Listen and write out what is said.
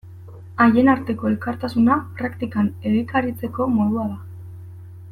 Haien arteko elkartasuna praktikan egikaritzeko modua da.